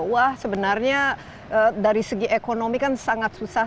wah sebenarnya dari segi ekonomi kan sangat susah